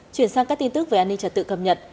chuyển sang các tin tức về an ninh trật tự cập nhật